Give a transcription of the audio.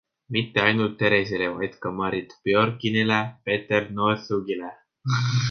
Mitte ainult Theresele, vaid ka Marit Björgenile, Petter Northugile.